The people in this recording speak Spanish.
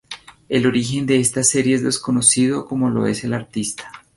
El origen de esta serie es desconocido, como lo es el artista.